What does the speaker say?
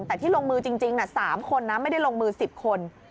แต่ที่ลงมือจริง๓คนนะไม่ได้ลงมือ๑๐คน